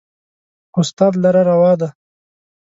و استاد لره روا ده